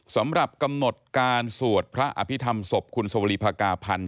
สำหรับกำหนดการสวดพระอภิษฐรรมศพคุณสวรีภากาพันธ์